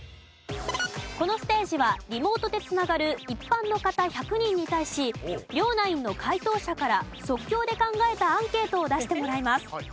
このステージはリモートで繋がる一般の方１００人に対し両ナインの解答者から即興で考えたアンケートを出してもらいます。